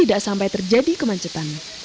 tidak sampai terjadi kemancetan